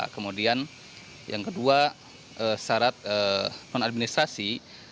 kemudian yang kedua syarat non administrasi